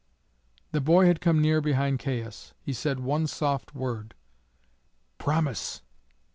The boy had come near behind Caius. He said one soft word, "Promise!"